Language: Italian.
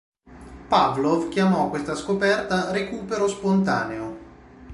Pavlov chiamò questa scoperta "recupero spontaneo".